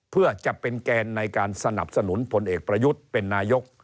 เพื่อจะเป็นแกนในการสนับสนุนพลเอกประยุทธ์เป็นนายก